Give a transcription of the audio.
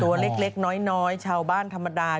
ตัวเล็กน้อยชาวบ้านธรรมดา